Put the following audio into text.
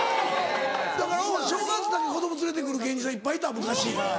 だからうん正月だけ子供連れてくる芸人さんいっぱいいた昔。